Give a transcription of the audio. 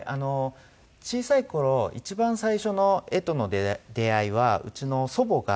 小さい頃一番最初の絵との出会いはうちの祖母が。